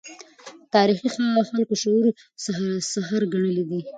تاریخي خلکو شعر سحر ګڼلی دی.